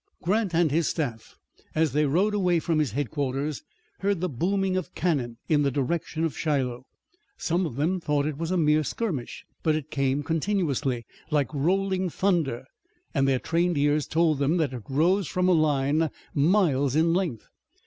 Grant and his staff, as they rode away from his headquarters, heard the booming of cannon in the direction of Shiloh. Some of them thought it was a mere skirmish, but it came continuously, like rolling thunder, and their trained ears told them that it rose from a line miles in length.